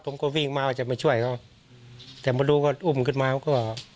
ผมก็วิ่งมาว่าจะมาช่วยเขาแต่มาดูก็อุ้มขึ้นมาเขาก็